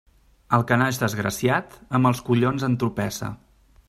El que naix desgraciat, amb els collons entropessa.